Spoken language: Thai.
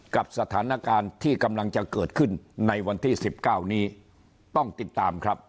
กับสถานการณ์ที่กำลังจะเกิดขึ้นในวันที่๑๙นี้ต้องติดตามครับ